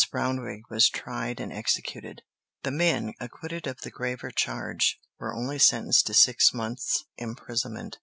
Brownrigg was tried and executed; the men, acquitted of the graver charge, were only sentenced to six months' imprisonment.